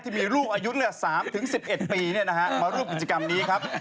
ที่มีลูกอายุ๓๑๑ปีมาร่วมกิจกรรมนี้ครับ